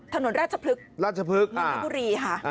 ถนนราชพลึกมนุษย์บุรีฮะ